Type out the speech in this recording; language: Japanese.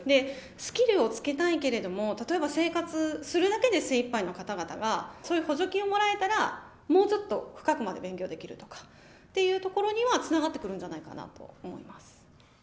スキルをつけたいけれども、例えば生活するだけで精いっぱいの方々が、そういう補助金をもらえたら、もうちょっと深くまで勉強できるとかというところにはつながってくるんじゃないかなと思います。